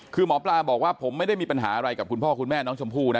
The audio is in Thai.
คือหมอปลาบอกว่าผมไม่ได้มีปัญหาอะไรกับคุณพ่อคุณแม่น้องชมพู่นะ